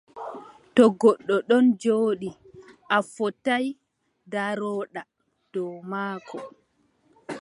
To goɗɗo ɗon jooɗi, a fotaay ndarooɗaa dow maako,